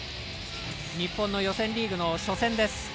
日本の予選リーグの初戦です。